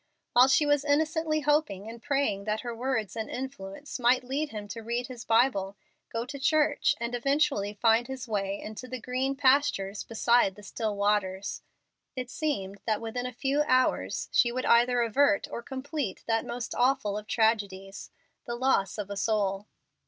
While she was innocently hoping and praying that her words and influence might lead him to read his Bible, go to church, and eventually find his way into the "green pastures beside the still waters," it seemed that within a few hours she would either avert or complete that most awful of tragedies the loss of a soul.